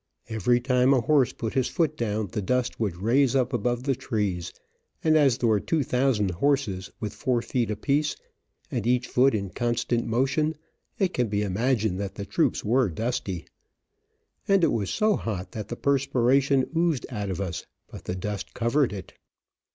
Every time a horse put his foot down the dust would raise above the trees, and as there were two thousand horses, with four feet apiece, and each foot in constant motion, it can be imagined that the troops were dusty. And it was so hot that the perspiration oozed out of us, but the dust covered it.